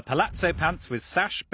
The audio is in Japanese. パンツか。